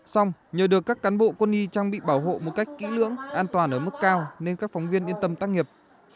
xong nhờ được các cán bộ quân y trang bị bảo hộ một cách kỹ lưỡng an toàn ở mức cao nên các phóng viên yên tâm tác nghiệp